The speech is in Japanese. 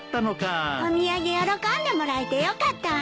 お土産喜んでもらえてよかったわね。